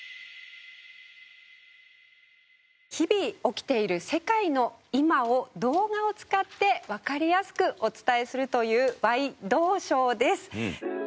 日々起きている世界の今を動画を使ってわかりやすくお伝えするという『ワイ動ショー』です。